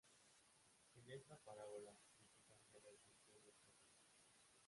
En esta parábola, Jesús amplía la definición de prójimo.